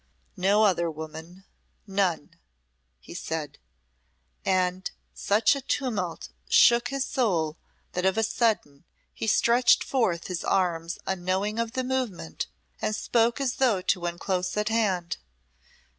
"No other woman none," he said and such a tumult shook his soul that of a sudden he stretched forth his arms unknowing of the movement and spoke as though to one close at hand.